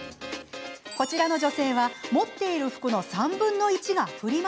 こちらの女性は持っている服の３分の１がフリマ